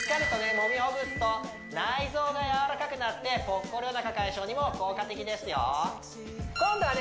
もみほぐすと内臓がやわらかくなってぽっこりおなか解消にも効果的ですよ今度はね